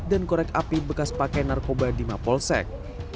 dan korek api bekas pakai narkoba lima polsek